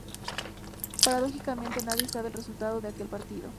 Paradójicamente nadie sabe el resultado de aquel partido.